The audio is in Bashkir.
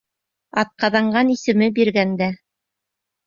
Атҡаҙанған исеме биргәндә?